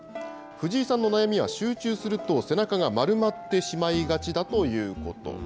藤井さんの悩みは、集中すると背中が丸まってしまいがちだということ。